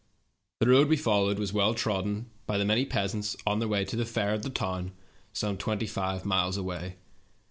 The road we followed was well trodden by the many peasants on their way to the fair at the town, some twenty five miles away.